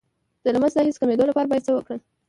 د لمس د حس د کمیدو لپاره باید څه وکړم؟